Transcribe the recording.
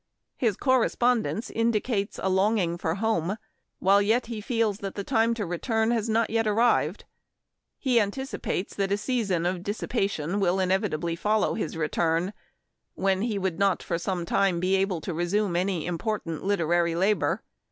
His correspondence indicates a longing for home, while yet he feels that the time to return has not yet arrived. He anticipates that a season of dissipation will inevitably follow his return, 1 86 Memoir of Washington Irving. when he would not for some time be able to resume any important literary labor.